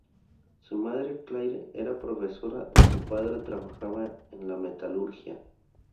Su madre, Claire, era profesora, y su padre trabajaba en la metalurgia.